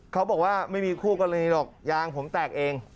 เขาบอกว่าไม่มีคู่กรณีหรอกยางผมแตกเอง